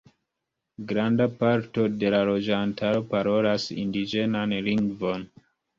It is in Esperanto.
Granda parto de la loĝantaro parolas indiĝenan lingvon.